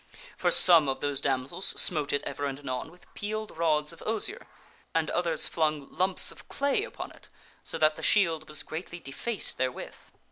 For some of those damsels the shield smote it ever and anon with peeled rods of osier, and others flung lumps of clay upon it, so that the shield was greatly defaced therewith.